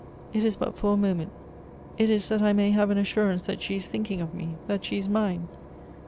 It is but for a moment ; it is that I may have an assurance that she is thinking of me, that she is mine.